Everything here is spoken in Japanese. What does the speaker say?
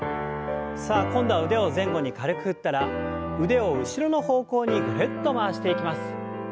さあ今度は腕を前後に軽く振ったら腕を後ろの方向にぐるっと回していきます。